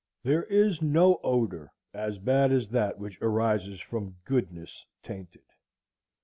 There is no odor so bad as that which arises from goodness tainted.